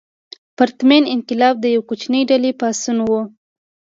پرتمین انقلاب د یوې کوچنۍ ډلې پاڅون نه و.